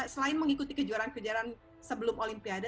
selain mengikuti kejuaraan kejuaraan sebelum olimpiade